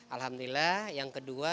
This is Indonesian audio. alhamdulillah yang kedua